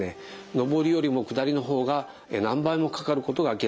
登りよりも下りの方が何倍もかかることが明らかになっています。